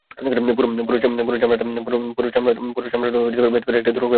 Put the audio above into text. পুরু চামড়াটা ভেদ করাই একটা দুরূহ ব্যাপার।